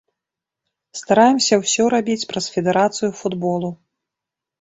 Стараемся ўсё рабіць праз федэрацыю футболу.